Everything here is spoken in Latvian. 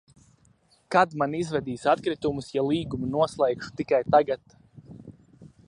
Kad man izvedīs atkritumus, ja līgumu noslēgšu tikai tagad?